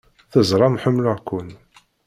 Teẓram ḥemmleɣ-ken!